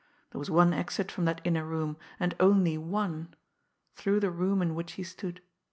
There was one exit from that inner room, and only one through the room in which he stood.